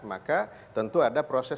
maka tentu ada proses